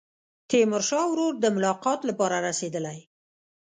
تیمورشاه ورور د ملاقات لپاره رسېدلی.